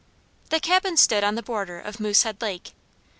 The cabin stood on the border of Moosehead Lake.